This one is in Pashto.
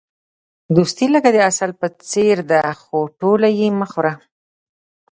دوستي لکه د عسل په څېر ده، خو ټوله یې مه خوره.